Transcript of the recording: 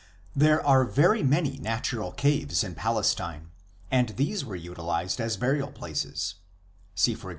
There are very many natural caves in Palestine, and these were utilized as burial places (see, e.g.